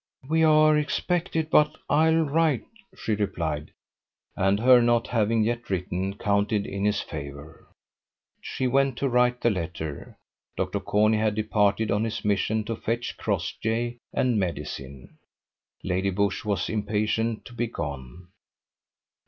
"We are expected, but I will write," she replied: and her not having yet written counted in his favour. She went to write the letter. Dr. Corney had departed on his mission to fetch Crossjay and medicine. Lady Busshe was impatient to be gone.